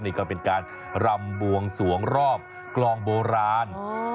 นี่ก็เป็นการรำบวงสวงรอบกลองโบราณ